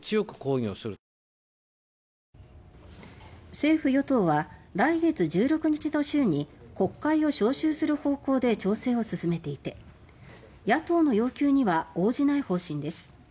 政府・与党は来月１６日の週に国会を召集する方向で調整を進めていて野党の要求には応じない方針です。